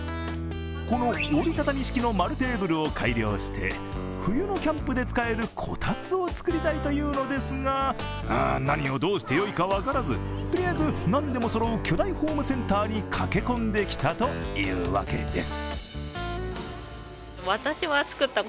この折り畳み式の丸テーブルを改良して、冬のキャンプで使えるこたつを作りたいというのですが何をどうしてよいか分からずとりあえずなんでもそろう巨大ホームセンターに駆け込んできたというわけです。